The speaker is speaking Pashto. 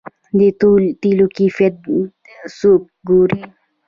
د تیلو کیفیت څوک ګوري؟